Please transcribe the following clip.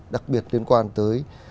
đặc biệt liên quan tới